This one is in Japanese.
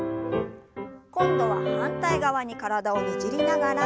今度は反対側に体をねじりながら。